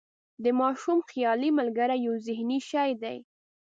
د ماشوم خیالي ملګری یو ذهني شی دی.